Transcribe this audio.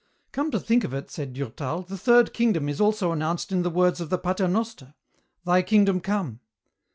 "Come to think of it," said Durtal, "the third kingdom is also announced in the words of the Paternoster, 'Thy kingdom come.'"